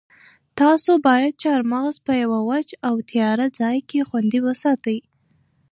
تاسو باید چهارمغز په یوه وچ او تیاره ځای کې خوندي وساتئ.